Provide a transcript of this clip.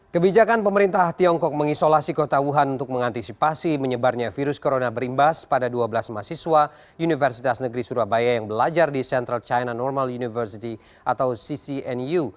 kebijakan pemerintah tiongkok mengisolasi kota wuhan untuk mengantisipasi menyebarnya virus corona berimbas pada dua belas mahasiswa universitas negeri surabaya yang belajar di central china normal university atau ccnu